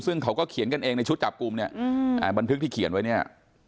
ซึ่งเขาก็เขียนกันเองในชุดจับกลุ่มเนี่ยบันทึกที่เขียนไว้เนี่ย